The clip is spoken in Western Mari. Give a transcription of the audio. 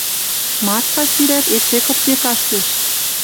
Марфа, сирӓт, эче кыпке каштеш.